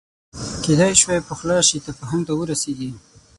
کېدای شوای پخلا شي تفاهم ته ورسېږي